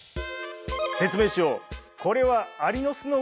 説明しよう。